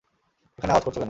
এখানে আওয়াজ করছো কেন?